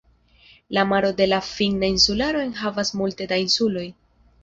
La Maro de la Finna Insularo enhavas multe da insuloj.